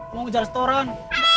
mau ngejar seorang